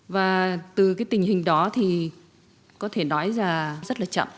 và từ cái tình hình đó thì có thể nói là